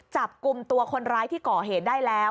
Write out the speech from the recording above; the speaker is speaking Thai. จับกลุ่มตัวคนร้ายที่ก่อเหตุได้แล้ว